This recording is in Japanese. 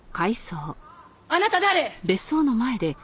あなた誰？